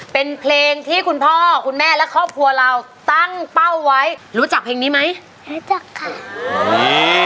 เป็นเพลงที่คุณพ่อคุณแม่และครอบครัวเราตั้งเป้าไว้รู้จักเพลงนี้ไหมรู้จักค่ะ